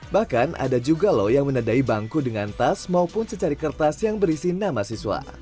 bahkan ada juga loh yang menadai bangku dengan tas maupun secari kertas yang berisi nama siswa